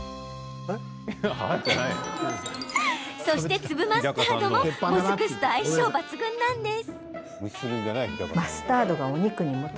そして、粒マスタードももずく酢と相性抜群なんです。